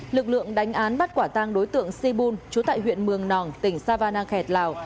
lực lượng đánh án bắt quả tang đối tượng sibun chú tại huyện mường nòng tỉnh savana khẹt lào